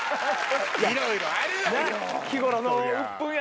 いろいろあるわよ。